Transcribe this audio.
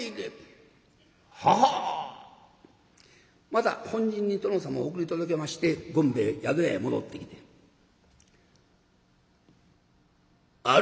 また本陣に殿様を送り届けまして権兵衛宿屋へ戻ってきて「主！